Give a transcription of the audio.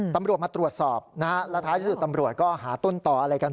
ตำรวจมาตรวจสอบนะฮะแล้วท้ายที่สุดตำรวจก็หาต้นต่ออะไรกัน